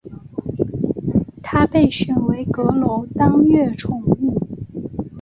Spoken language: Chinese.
他被选为阁楼当月宠物。